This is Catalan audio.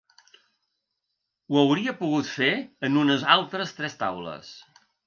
Ho hauria pogut fer en unes altres tres taules.